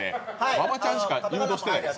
馬場ちゃんしか誘導してないで。